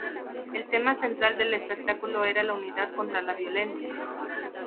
El tema central del espectáculo era la unidad contra la violencia.